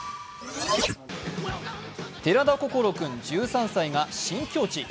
寺田心君１３歳が新境地。